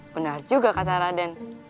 benar juga kata raden